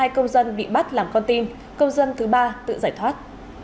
hai công dân bị bắt làm con tim công dân thứ ba tự giải thoát